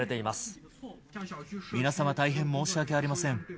皆様、大変申し訳ありません。